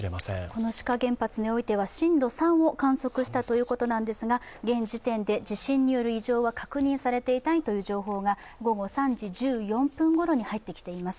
この志賀原発においては震度３を観測したということなんですが現時点で地震による異常は確認されていないという情報が午後３時１４分ごろに入ってきています。